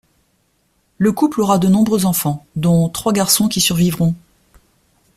Le couple aura de nombreux enfants dont trois garçons qui survivront.